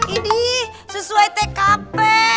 ini sesuai tkp